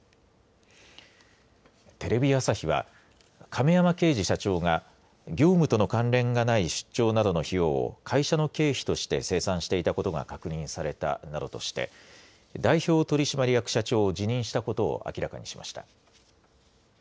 テレビ朝日は亀山慶二社長が業務との関連がない出張などの費用を会社の経費として精算していたことが確認されたなどとして代表取締役社長を辞任したことを明らかにしました。